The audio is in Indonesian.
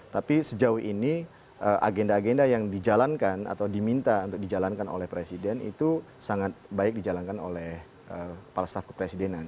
tapi sejauh ini agenda agenda yang dijalankan atau diminta untuk dijalankan oleh presiden itu sangat baik dijalankan oleh kepala staf kepresidenan